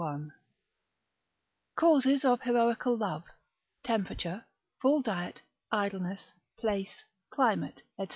I.—_Causes of Heroical Love, Temperature, full Diet, Idleness, Place, Climate, &c.